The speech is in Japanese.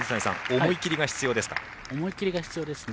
思い切りが必要ですね。